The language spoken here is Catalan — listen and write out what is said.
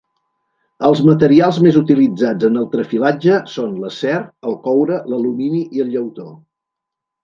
Els materials més utilitzats en el trefilatge són l'acer, el coure, l'alumini i el llautó.